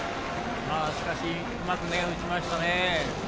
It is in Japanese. しかしうまく打ちましたね。